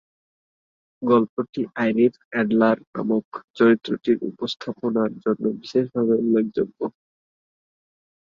গল্পটি Irene Adler নামক চরিত্রটির উপস্থাপনার জন্য বিশেষভাবে উল্লেখযোগ্য।